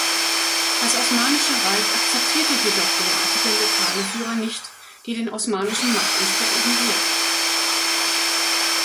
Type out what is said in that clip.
Das osmanische Reich akzeptierte jedoch derartige lokale Führer nicht, die den osmanischen Machtanspruch ignorierten.